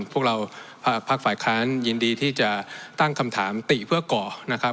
พวกเราภาคฝ่ายค้านยินดีที่จะตั้งคำถามติเพื่อก่อนะครับ